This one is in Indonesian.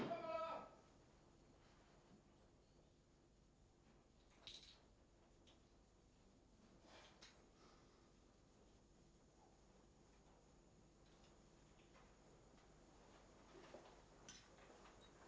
ayo hadapi mereka